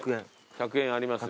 １００円あります。